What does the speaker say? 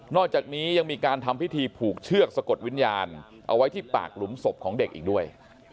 อกจากนี้ยังมีการทำพิธีผูกเชือกสะกดวิญญาณเอาไว้ที่ปากหลุมศพของเด็กอีกด้วย